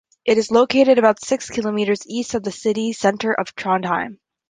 It is located about six kilometers east of the city centre of Trondheim.